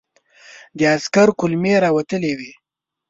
د عسکر کولمې را وتلې وې.